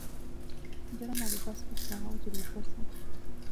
جہیڑا مہاڑے بس وچ وہا اور ضرور کرساں